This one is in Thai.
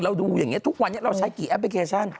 ดูอย่างนี้ทุกวันนี้เราใช้กี่แอปพลิเคชัน